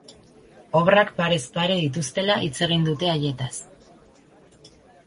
Obrak parez pare dituztela hitz egin dute haietaz.